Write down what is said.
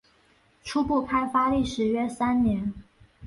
初步开发历时约三年。